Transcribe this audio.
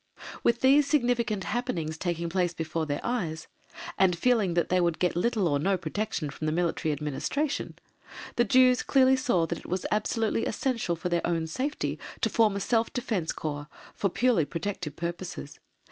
With these significant happenings taking place before their eyes, and feeling that they would get little or no protection from the Military Administration, the Jews clearly saw that it was absolutely essential for their own safety to form a Self Defence Corps, for purely protective purposes.